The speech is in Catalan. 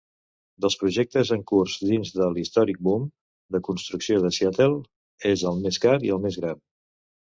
Dels projectes en curs dins de l'històric boom de construcció de Seattle, és el més car i el més gran.